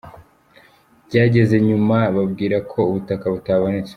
Byageze nyuma bambwira ko ubutaka butabonetse.